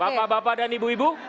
bapak bapak dan ibu ibu